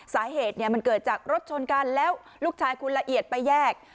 สาเหตุมันเกิดจากรถชนกันแล้วลูกชายคุณละเอียดไปแยก